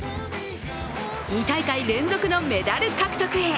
２大会連続のメダル獲得へ。